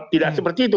tidak seperti itu